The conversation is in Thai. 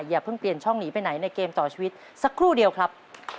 อย่าเพิ่งเปลี่ยนช่องหนีไปไหนในเกมต่อชีวิตสักครู่เดียวครับ